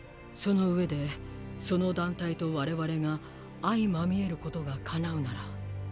その上でその団体と我々が相まみえることが叶うなら。